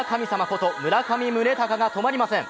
こと村上宗隆が止まりません。